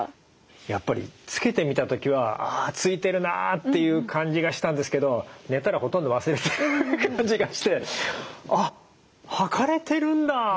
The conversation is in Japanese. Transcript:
やっぱりつけてみた時はあついてるなあっていう感じがしたんですけど寝たらほとんど忘れてる感じがしてあっ測れてるんだびっくり！